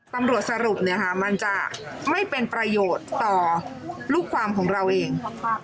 ตำรวจสรุปมันจะไม่เป็นประโยชน์ต่อลูกความของเราเอง